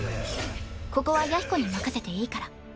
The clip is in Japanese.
ここは弥彦に任せていいから。